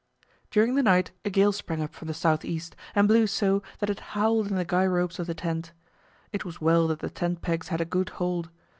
During the night a gale sprang up from the south east, and blew so that it howled in the guy ropes of the tent; it was well that the tent pegs had a good hold.